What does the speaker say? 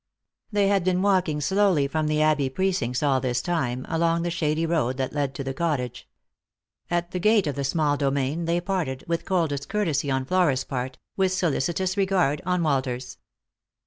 " They had been walking slowly away from the abbey precincts all this time, along the shady road that led to the cottage. At the gate of the small domain they parted, with coldest courtesy on Flora's part, with solicitous regard on Walter's.